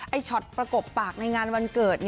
ช็อตประกบปากในงานวันเกิด